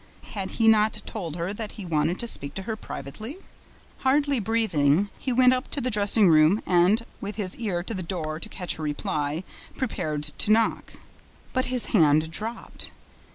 Had he not told her that he wanted to speak to her privately? Hardly breathing, he went up to the dressing room and, with his ear to the door to catch her reply, prepared to knock. But his hand dropped.